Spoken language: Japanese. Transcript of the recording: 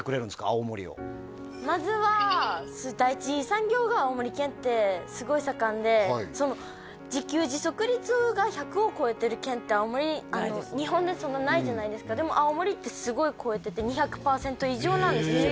青森をまずは自給自足率が１００を超えてる県ってあんまり日本でそんなにないじゃないですかでも青森ってすごい超えてて２００パーセント以上なんですよ